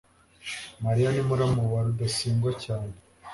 mariya ni muramu wa rudasingwa cyane